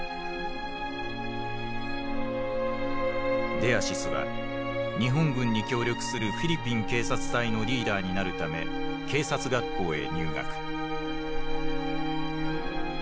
デアシスは日本軍に協力するフィリピン警察隊のリーダーになるため警察学校へ入学。